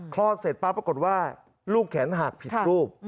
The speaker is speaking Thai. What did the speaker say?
คลอดเสร็จปั๊บปรากฏว่าลูกแขนหักผิดรูป